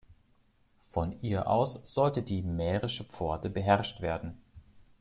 Von ihr aus sollte die Mährische Pforte beherrscht werden.